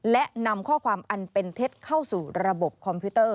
และนำข้อความอันเป็นเท็จเข้าสู่ระบบคอมพิวเตอร์